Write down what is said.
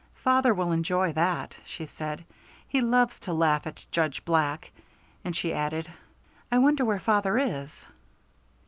"Father will enjoy that," she said. "He loves to laugh at Judge Black." And she added, "I wonder where father is."